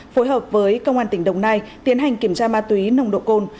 phối hợp với công an tỉnh đồng nai tiến hành kiểm tra ma túy nồng độ cồn